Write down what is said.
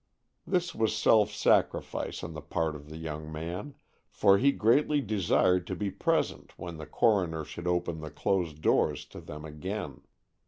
This was self sacrifice on the part of the young man, for he greatly desired to be present when the coroner should open the closed doors to them again.